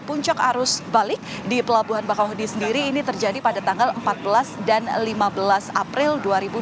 puncak arus balik di pelabuhan bakauheni sendiri ini terjadi pada tanggal empat belas dan lima belas april dua ribu dua puluh